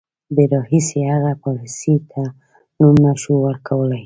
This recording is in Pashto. د راهیسې هغې پالیسۍ ته نوم نه شو ورکولای.